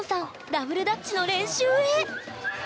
ダブルダッチの練習へ！